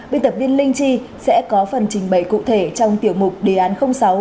biên tập viên linh chi sẽ có phần trình bày cụ thể trong tiểu mục đề án sáu